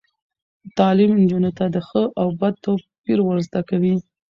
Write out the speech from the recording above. تعلیم نجونو ته د ښه او بد توپیر ور زده کوي.